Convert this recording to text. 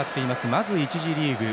まず１次リーグ。